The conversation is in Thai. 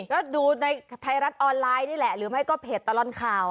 ก็ดูในไทยรัฐออนไลน์นี่แหละหรือไม่ก็เพจตลอดข่าว